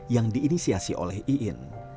yang diinisiasi oleh iin